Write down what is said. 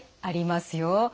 ありますよ。